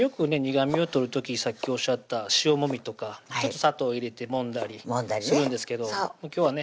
苦みを取る時さっきおっしゃった塩もみとか砂糖入れてもんだりするんですけど今日はね